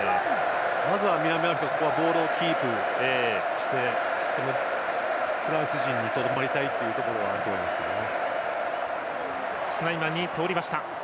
まずは南アフリカボールをキープしてフランス陣にとどまりたいという思いがあると思いますね。